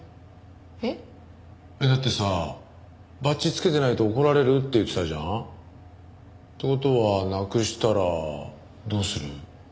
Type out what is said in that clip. えっ？だってさバッジつけてないと怒られるって言ってたじゃん？って事はなくしたらどうする？